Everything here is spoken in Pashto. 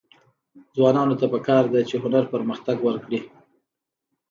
ځوانانو ته پکار ده چې، هنر پرمختګ ورکړي.